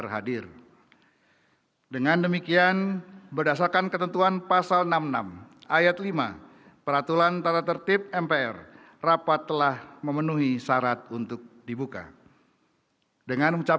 yang mulia hun sen perdana menteri kerajaan kamboja